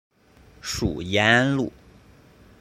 属延安路。